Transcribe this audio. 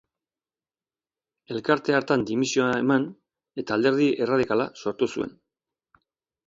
Elkarte hartan dimisioa eman, eta Alderdi Erradikala sortu zuen.